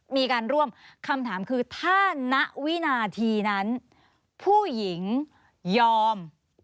มีการร่วมคำถามคือถ้าณวินาทีนั้นผู้หญิงยอม